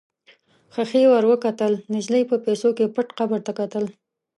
ښخې ور وکتل، نجلۍ په پیسو کې پټ قبر ته کتل.